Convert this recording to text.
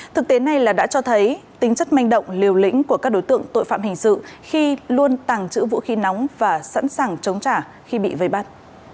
thực tế này là đã cho thấy tính chất manh động liều lĩnh của các đối tượng tội phạm hình sự khi luôn tàng trữ vũ khí nóng và sẵn sàng chống trả khi bị vây bắt